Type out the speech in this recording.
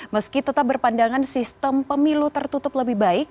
meski tetap berpandangan sistem pemilu tertutup lebih baik